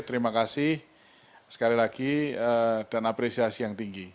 terima kasih sekali lagi dan apresiasi yang tinggi